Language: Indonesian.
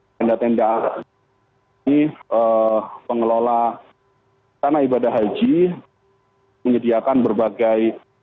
tanda tanda ini pengelola tanah ibadah haji menyediakan berbagai